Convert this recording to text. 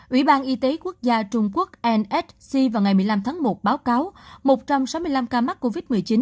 ủy ban y tế quốc gia trung quốc nsc vào ngày một mươi năm tháng một báo cáo một trăm sáu mươi năm ca mắc covid một mươi chín